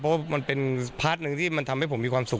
เพราะว่ามันเป็นพาร์ทหนึ่งที่มันทำให้ผมมีความสุข